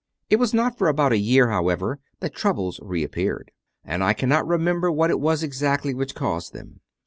6. It was not for about a year, however, that troubles reappeared, and I cannot remember what it was exactly which caused them.